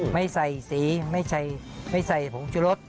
ไม่ใส่สีไม่ใส่ผงชุรส